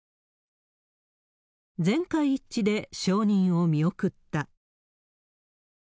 全会一致で承認を見送った。